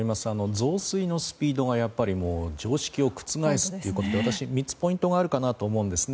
増水のスピードが常識を覆すってことで私、３つポイントがあると思うんです。